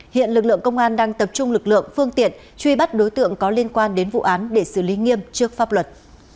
hiện lực lượng công an đang tập trung lực lượng phương tiện truy bắt đối tượng có liên quan đến vụ án để xử lý nghiêm trước pháp luật